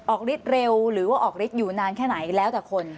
ฤทธิเร็วหรือว่าออกฤทธิ์อยู่นานแค่ไหนแล้วแต่คน